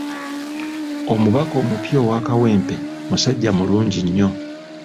Omubaka omupya owa Kawempe musajja mulungi nnyo.